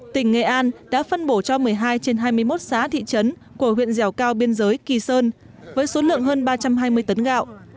tỉnh nghệ an đã phân bổ cho một mươi hai trên hai mươi một xã thị trấn của huyện dẻo cao biên giới kỳ sơn với số lượng hơn ba trăm hai mươi tấn gạo